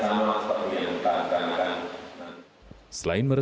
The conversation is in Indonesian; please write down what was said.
selain meresmikan kereta bandara